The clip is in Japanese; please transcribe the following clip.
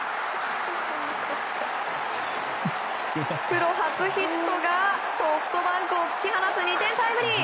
プロ初ヒットがソフトバンクを突き放す２点タイムリー！